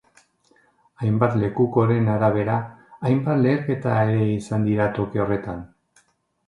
Hainbat lekukoren arabera, hainbat leherketa ere izan dira toki horretan.